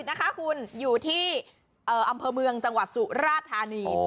นะคะคุณอยู่ที่อำเภอเมืองจังหวัดสุราธานี